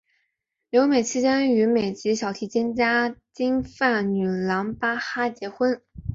留美期间与美籍小提琴家金发女郎巴哈结婚。